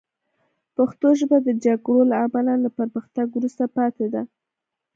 پښتو ژبه د جګړو له امله له پرمختګ وروسته پاتې ده